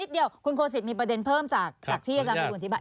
นิดเดียวคุณโครสิตมีประเด็นเพิ่มจากที่อาจารย์มหุ่นธิบัตร